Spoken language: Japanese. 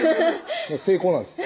成功なんです